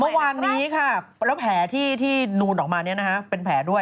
เมื่อวานนี้ครับแล้วแผลที่นูนออกมานี่นะฮะ